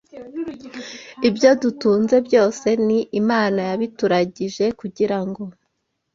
Ibyo dutunze byose ni Imana yabituragije kugira ngo